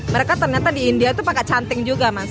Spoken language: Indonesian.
mereka ternyata di india itu pakai canting juga mas